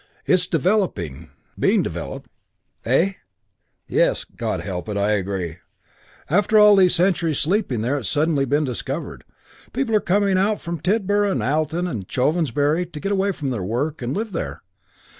It's 'developing' ... 'being developed.'... Eh?... Yes; God help it; I agree. After all these centuries sleeping there it's suddenly been 'discovered.' People are coming out from Tidborough and Alton and Chovensbury to get away from their work and live there.